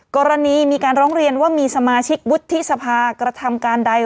กรณีมีการร้องเรียนว่ามีสมาชิกวุฒิสภากระทำการใด